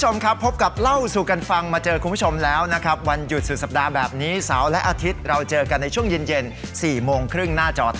อย่าลืมเล่าสู่กันฟัง